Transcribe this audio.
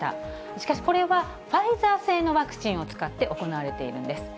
しかし、これはファイザー製のワクチンを使って行われているんです。